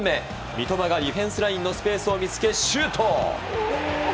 三笘がディフェンスラインのスペースを見つけ、シュート！